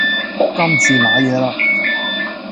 今次賴嘢啦